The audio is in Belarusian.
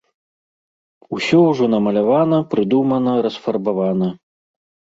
Усё ўжо намалявана, прыдумана, расфарбавана.